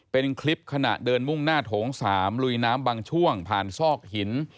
เป็นคลิปขณะเดินมุ่งหน้าโถง๓ลุยน้ำบางช่วงผ่านซอกหิน